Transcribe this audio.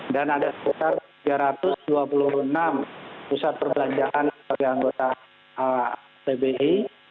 dan ada sekitar tiga ratus dua puluh enam pusat perbelanjaan sebagai anggota tbi